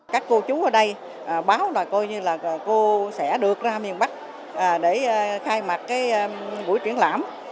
các cô chú ở đây báo là cô sẽ được ra miền bắc để khai mặt buổi triển lãm